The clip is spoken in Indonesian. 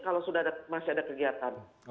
kalau masih ada kegiatan